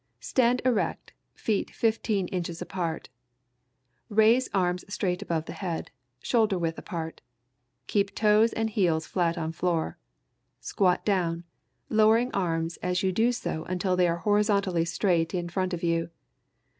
_] Stand erect, feet fifteen inches apart. Raise arms straight above the head, shoulder width apart. Keep toes and heels flat on the floor. Squat down, lowering arms as you do so until they are horizontally straight in front of you.